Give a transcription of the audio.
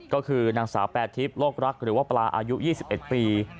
ก็คือนางสาวแปรทิพย์โลกรักหรือว่าปลาอายุ๒๑ปี